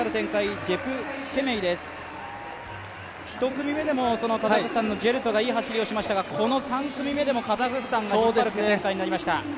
１組目でもカザフスタンのジェルトがいい走りをしましたがこの３組目でもカザフスタンが引っ張る展開になりました